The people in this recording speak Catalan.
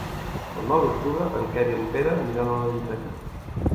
El nou d'octubre en Quer i en Pere aniran a la biblioteca.